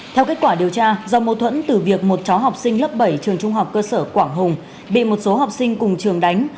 theo kết quả điều tra do mâu thuẫn từ việc một cháu học sinh lớp bảy trường trung học cơ sở quảng hùng bị một số học sinh cùng trường đánh